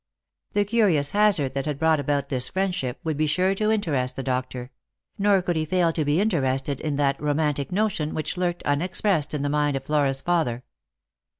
The curious hazard that had brought about this friendship would be sure to interest the doctor ; nor could he fail to be interested in that romantic notion which lurked unexpressed in the mind of Flora's father.